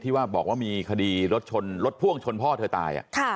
ที่บอกว่ามีคดีรถพ่วงชนพ่อเธอตาย